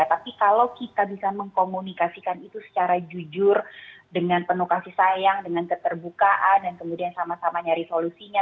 tapi kalau kita bisa mengkomunikasikan itu secara jujur dengan penuh kasih sayang dengan keterbukaan dan kemudian sama sama nyari solusinya